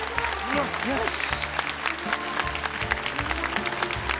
よし！